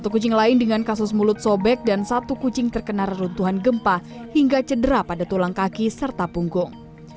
satu kucing lain dengan kasus mulut sobek dan satu kucing terkena reruntuhan gempa hingga cedera pada tulang kaki serta punggung